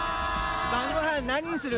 ばんごはん何にする？